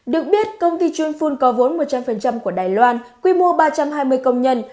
được biết công ty chuyên phun có vốn một trăm linh của đài loan quy mô ba trăm hai mươi công nhân